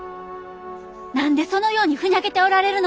何でそのようにふにゃけておられるのです。